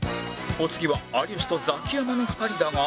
お次は有吉とザキヤマの２人だが